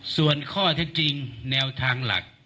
ส่วนข้อเท็จจริงแนวทางหลัก